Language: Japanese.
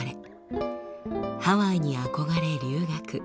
ハワイに憧れ留学。